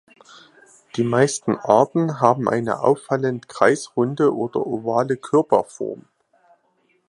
Die meisten Arten haben eine auffallend kreisrunde oder ovale Körperform.